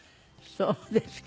そうですか。